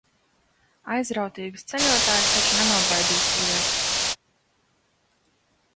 Aizrautīgus ceļotājus taču nenobaidīs lietus!